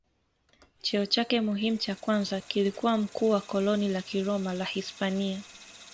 Cheo chake muhimu cha kwanza kilikuwa mkuu wa koloni la Kiroma la Hispania.